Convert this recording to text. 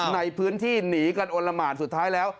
ในพื้นที่หนีกันอลละหมานสุดท้ายแล้ว